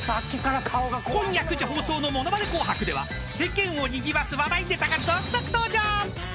［今夜９時放送の『ものまね紅白』では世間をにぎわす話題ネタが続々登場！］